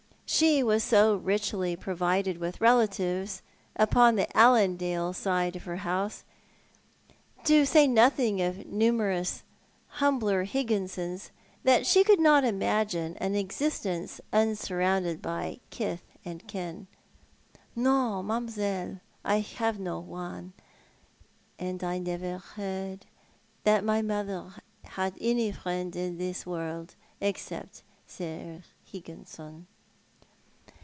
Slie was so richly provided with relatives upon the Allan dale side of her house — to say nothing of numerous humbler 46 Thoti art the Man. Higginsons — that she could not imagine an existence nnsnr rounded by kith and kin. " No, mam'selle, I have no one, and I never heard that my mother had any friend in this world, except Sir Higginson."